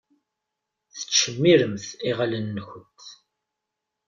Tettcemmiṛemt iɣallen-nkent.